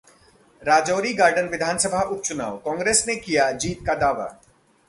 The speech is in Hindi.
राजौरी गार्डन विधानसभा उपचुनाव: कांग्रेस ने किया जीत का दावा